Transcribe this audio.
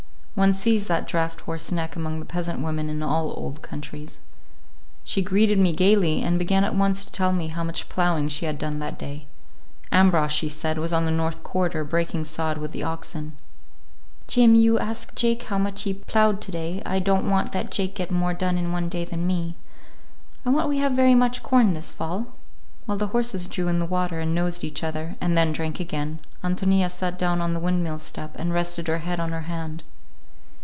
One sees that draft horse neck among the peasant women in all old countries. She greeted me gayly, and began at once to tell me how much ploughing she had done that day. Ambrosch, she said, was on the north quarter, breaking sod with the oxen. "Jim, you ask Jake how much he ploughed to day. I don't want that Jake get more done in one day than me. I want we have very much corn this fall." While the horses drew in the water, and nosed each other, and then drank again, Ántonia sat down on the windmill step and rested her head on her hand.